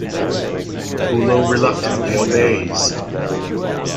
Pullo reluctantly obeys.